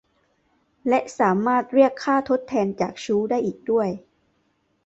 และสามารถเรียกค่าทดแทนจากชู้ได้อีกด้วย